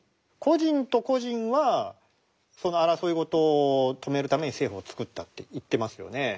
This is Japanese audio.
個人と個人はその争い事を止めるために政府をつくったって言ってますよね。